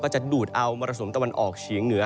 จะดูดเอามรสุมตะวันออกเฉียงเหนือ